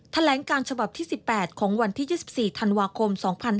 แถลงการฉบับที่๑๘ของวันที่๒๔ธันวาคม๒๕๖๒